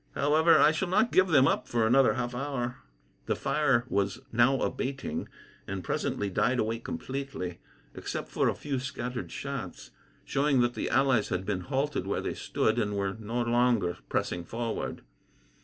However, I shall not give them up for another half hour." The firing was now abating, and presently died away completely; except for a few scattered shots, showing that the allies had been halted where they stood, and were no longer pressing forward.